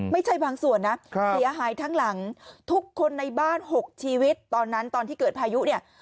ไม่ใช่บางส่วนนะเสียหายทั้งหลังทุกคนในบ้าน๖ชีวิตตอนนั้นตอนที่เกิดพายุเนี่ย